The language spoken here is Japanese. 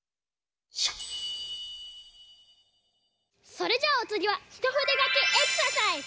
それじゃあおつぎは「ひとふでがきエクササイズ」！